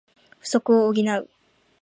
不足を補う